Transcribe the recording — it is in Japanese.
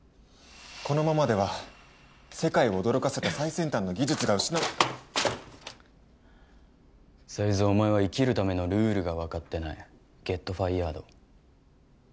このままでは世界を驚かせた最先端の技術が失才津お前は生きるためのルールが分かってないゲットファイヤード